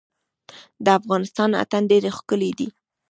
د افغانستان اتن ډیر ښکلی دی